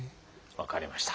分かりました。